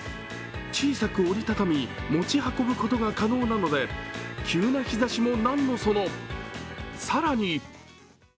小さく折り畳み持ち運ぶことが可能なので急な日ざしも何のその。